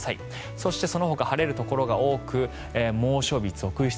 そして、そのほか晴れるところが多く猛暑日続出。